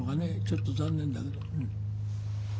ちょっと残念だけど。